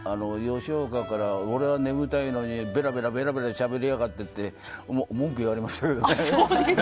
吉岡から、俺は眠たいのにベラベラしゃべりやがってって文句を言われましたけどね。